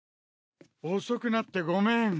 遅くなってごめん。